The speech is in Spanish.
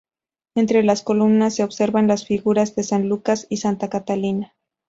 Entre las columnas se observan las figuras de San Lucas y Santa Catalina.